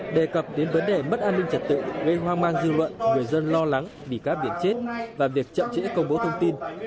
đề cập đến vấn đề mất an ninh trật tự gây hoang mang dư luận người dân lo lắng vì các việc chết và việc chậm trễ công bố thông tin